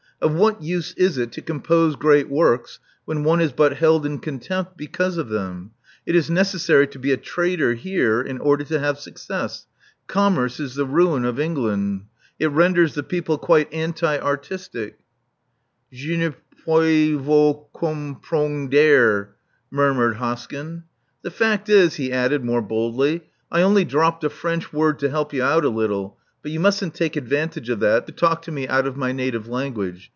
Of what use is it to compose great works when one is but held in contempt because of them? It is necessary to be a trader here in order to have success. Commerce is the ruin of England. It renders the people quite anti artistic." " Jinipweevoocomprongder, murmured Hoskyn. "The fact is," he added, more boldly, "I only dropped a French word to help you out a little; but you mustn't take advantage of that to talk to me out of my Love Among the Artists 323 native language.